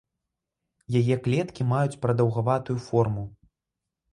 Яе клеткі маюць прадаўгаватую форму.